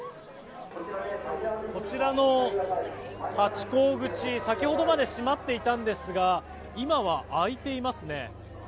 こちらのハチ公口先ほどまで閉まっていたんですが今は開いていますね。